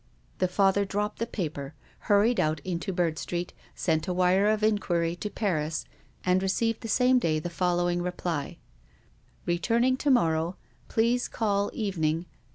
The Father dropped the paper, hurried out into Bird Street, sent a wire of inquiry to Paris, and received the same day the following reply :" Re turning to morrow. Please call evening.